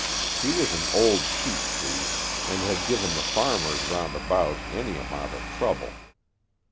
He was an old sheep thief and had given the farmers round about any amount of trouble.